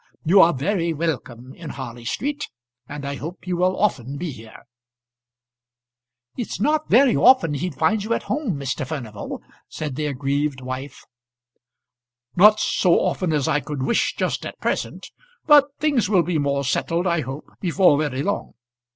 You are very welcome in Harley Street, and I hope you will often be here." [Illustration: Mr. Furnival's welcome home.] "It's not very often he'd find you at home, Mr. Furnival," said the aggrieved wife. "Not so often as I could wish just at present; but things will be more settled, I hope, before very long.